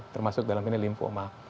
termasuk dalam ini lymphoma